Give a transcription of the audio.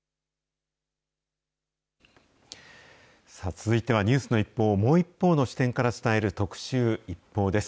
続いてはニュースの一報をもう一方の視点から伝える、特集ＩＰＰＯＵです。